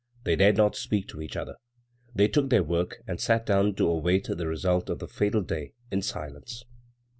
They dared not speak to each other. They took their work, and sat down to await the result of the fatal day in silence.